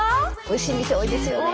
おいしい店多いですよね。